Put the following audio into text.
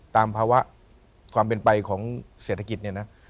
ตามภาวะความเป็นไปของเศรษฐกิจเนี่ยนะ